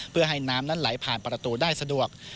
เพื่อให้น้ำนั้นไหลผ่านประตูได้สะดวก